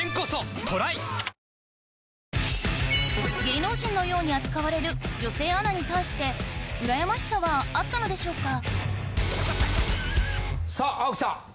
芸能人のように扱われる女性アナに対して羨ましさはあったのでしょうかさあ青木さん。